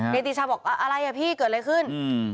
ในติชาบอกอะไรอ่ะพี่เกิดอะไรขึ้น